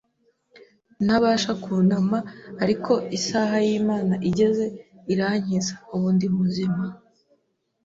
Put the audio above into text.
ntabasha kunama ariko isaha y’Imana igeze irankiza, ubu ndi muzima.